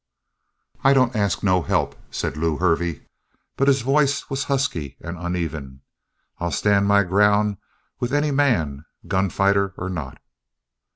"I don't ask no help," said Lew Hervey, but his voice was husky and uneven. "I'll stand my ground with any man, gun fighter or not!"